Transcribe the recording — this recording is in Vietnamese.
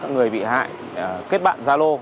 người bị hại kết bạn gia lô